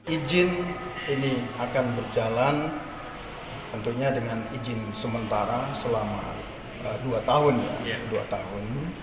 ijin ini akan berjalan tentunya dengan izin sementara selama dua tahun